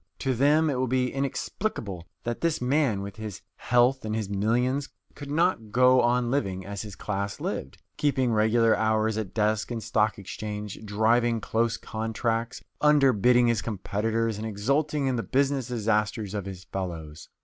To them it will be inexplicable that this man, with his health and his millions, could not go on living as his class lived, keeping regular hours at desk and stock exchange, driving close contracts, underbidding his competitors, and exulting in the business disasters of his fellows.